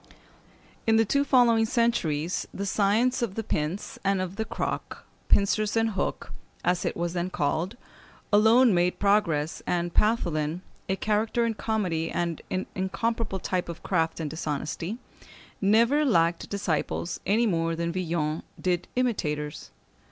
In the two following centuries the science of the pince and of the croc (pincers and hook), as it was then called, alone made progress, and Pathelin (a character in comedy, and an incomparable type of craft and dishonesty) never lacked disciples any more than Villon did imitators.